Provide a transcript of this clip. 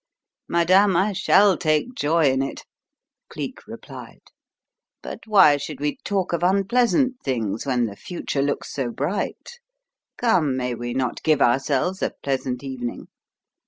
"Madame, I shall take joy in it," Cleek replied. "But why should we talk of unpleasant things when the future looks so bright? Come, may we not give ourselves a pleasant evening?